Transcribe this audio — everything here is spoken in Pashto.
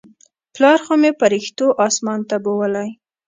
پلار خو مې پرښتو اسمان ته بولى.